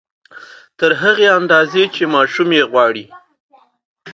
تر هغې اندازې چې ماشوم يې غواړي